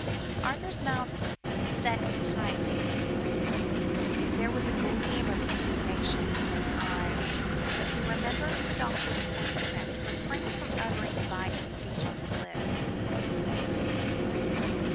Sir Arthur's mouth set tightly, there was a gleam of indignation in his eyes, but he remembered the doctor's orders, and refrained from uttering the biting speech upon his lips.